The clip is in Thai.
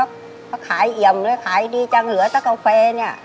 เขาขายเอี่ยมเลยขายดีจังเหลือถ้ากาแฟเนี่ย